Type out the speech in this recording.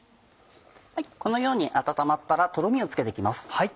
このように温まったらトロミをつけて行きます。